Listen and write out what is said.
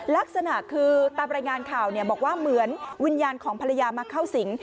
ลักษณะคือตามรายงานข่าวบอกว่าเหมือนวิญญาณของภรรยามาเข้าสิง